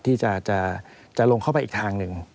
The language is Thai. ที่จะลงเข้าไปอีกทางหนึ่ง